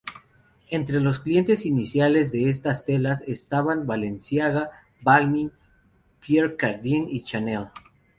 Entre los clientes iniciales de estas telas estaban Balenciaga, Balmain, Pierre Cardin y Chanel.